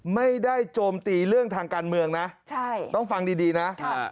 ไม่ได้โจมตีเรื่องทางการเมืองนะต้องฟังดีนะ